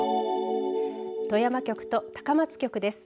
富山局と高松局です。